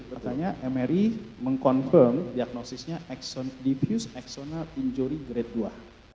artinya mri mengkonfirm diagnosisnya diffuse accidental injury grade dua